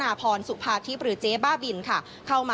และครูปีชานะคะ